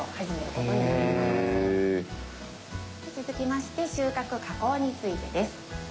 続きまして収穫加工についてです。